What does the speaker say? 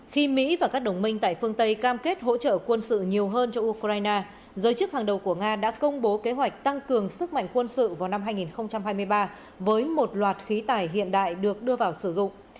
khi mỹ và các đồng minh tại phương tây cam kết hỗ trợ quân sự nhiều hơn cho ukraine giới chức hàng đầu của nga đã công bố kế hoạch tăng cường sức mạnh quân sự vào năm hai nghìn hai mươi ba với một loạt khí tài hiện đại được đưa vào sử dụng